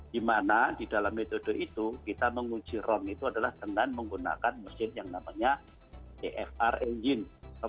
di mana di dalam metode itu kita menguji rom itu adalah dengan menggunakan mesin yang namanya cfr engine